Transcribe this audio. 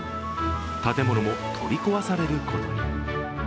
建物も取り壊されることに。